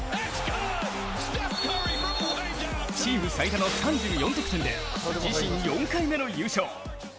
チーム最多の３４得点で自身４回目の優勝。